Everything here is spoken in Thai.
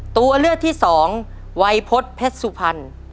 ตัวเลือกที่สองวัยพฤษเพชรสุพรรณ